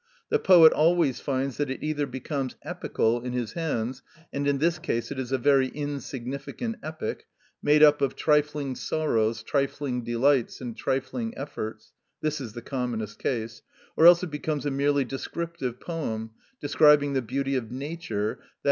The poet always finds that it either becomes epical in his hands, and in this case it is a very insignificant epic, made up of trifling sorrows, trifling delights, and trifling efforts—this is the commonest case—or else it becomes a merely descriptive poem, describing the beauty of nature, _i.